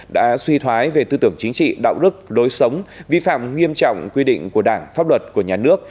đã suy thoái về tư tưởng chính trị đạo đức lối sống vi phạm nghiêm trọng quy định của đảng pháp luật của nhà nước